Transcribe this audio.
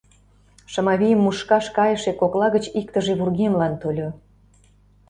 Шымавийым мушкаш кайыше кокла гыч иктыже вургемлан тольо.